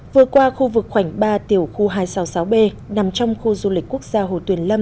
vừa qua khu vực khoảnh ba tiểu khu hai trăm sáu mươi sáu b nằm trong khu du lịch quốc gia hồ tuyền lâm